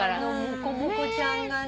モコモコちゃんがね。